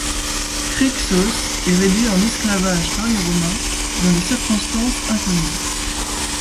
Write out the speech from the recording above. Crixos est réduit en esclavage par les Romains dans des circonstances inconnues.